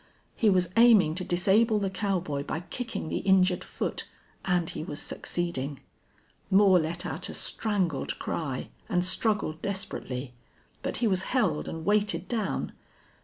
He was aiming to disable the cowboy by kicking the injured foot. And he was succeeding. Moore let out a strangled cry, and struggled desperately. But he was held and weighted down.